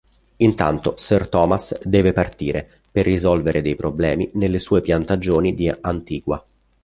Intanto sir Thomas deve partire per risolvere dei problemi nelle sue piantagioni di Antigua.